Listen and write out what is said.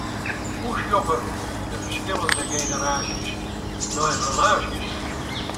Hoe sjogge de ferskillende generaasjes nei relaasjes?